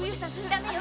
ダメよ！